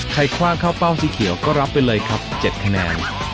คว่างเข้าเป้าสีเขียวก็รับไปเลยครับ๗คะแนน